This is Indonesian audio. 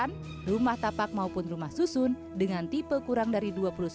pertama pembayaran rumah tapak maupun rumah susun dengan tipe kurang dari dua puluh satu